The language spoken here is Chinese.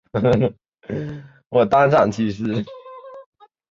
曾希圣是邓小平与卓琳结婚的介绍人。